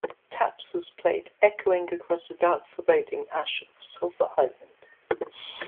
Taps was played echoing across the dark foreboding ash of "Sulfur Island".